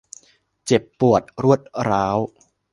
เจ็บปวดรวดร้าว